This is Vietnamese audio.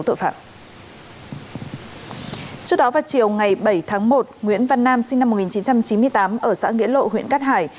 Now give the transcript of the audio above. trước đó vào chiều ngày bảy tháng một nguyễn văn nam sinh năm một nghìn chín trăm chín mươi tám ở xã nghĩa lộ huyện cát hải